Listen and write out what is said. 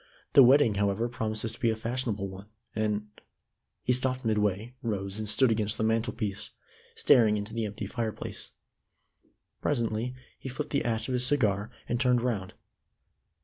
The wedding, however, promises to be a fashionable one, and " He stopped midway, rose, and stood against the mantel piece, staring into the empty fireplace. Presently he flipped the ash of his cigar, and turned round.